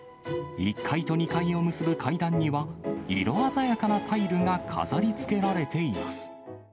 １階と２階を結ぶ階段には、色鮮やかなタイルが飾りつけられています。